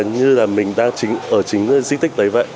như là mình đang ở chính di tích đấy vậy